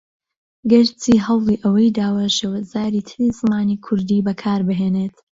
گەر چی ھەوڵی ئەوەی داوە شێوەزاری تری زمانی کوردی بەکاربھێنێت